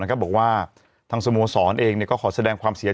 นะครับบอกว่าทางสโมสรเองเนี่ย